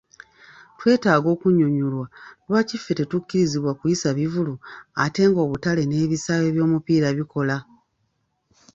Twetaaga okunnyonyolwa lwaki ffe tetukkirizibwa kuyisa bivvulu ate ng'obutale n'ebisaawe by'omupiira bikola.